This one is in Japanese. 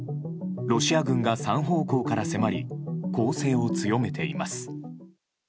ロシア軍が３方向から迫り攻勢を強めています。